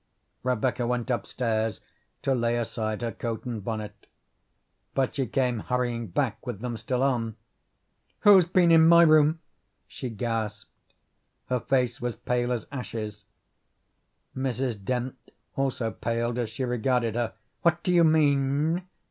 Rebecca went upstairs to lay aside her coat and bonnet. But she came hurrying back with them still on. "Who's been in my room?" she gasped. Her face was pale as ashes. Mrs. Dent also paled as she regarded her. "What do you mean?"